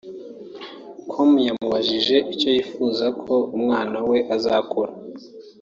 com yamubajije icyo yifuza ko umwana we azakora